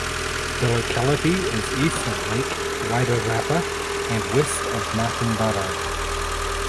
The locality is east of Lake Wairarapa and west of Martinborough.